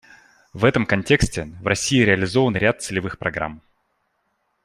В этом контексте в России реализован ряд целевых программ.